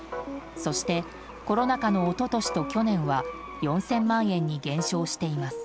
そしてコロナ禍の一昨年と去年は４０００万円に減少しています。